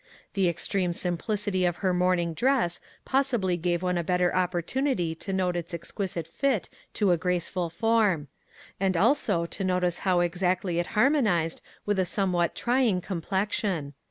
The extreme simplicity of her morning dress possibly gave one a better opportunity to note its exquisite fit to a graceful form ; and also to notice how exactly it harmonized with a somewhat try ing complexion.